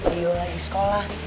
dio lagi sekolah